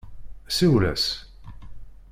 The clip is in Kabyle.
Siwel-as.